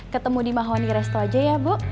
ketemu di mahoni resto aja ya bu